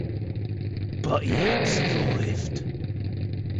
But he had survived.